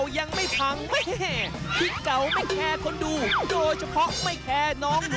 ยังยัง